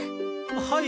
はい。